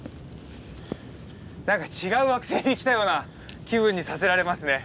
何か違う惑星に来たような気分にさせられますね。